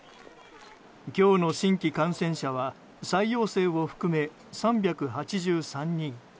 今日の新規感染者は再陽性を含めて３８３人。